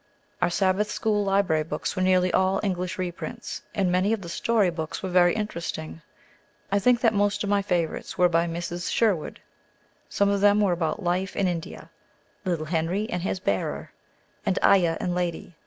Our Sabbath school library books were nearly all English reprints, and many of the story books were very interesting. I think that most of my favorites were by Mrs. Sherwood. Some of them were about life in India, "Little Henry and his Bearer," and "Ayah and Lady."